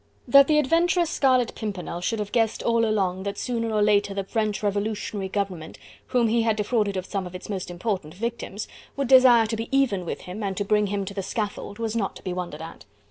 That the adventurous Scarlet Pimpernel should have guessed all along, that sooner or later the French Revolutionary Government whom he had defrauded of some of its most important victims, would desire to be even with him, and to bring him to the scaffold, was not to be wondered at.